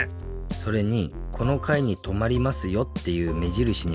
それにこのかいに止まりますよっていう目じるしにもなるね。